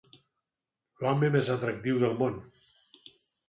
L'home més atractiu del món.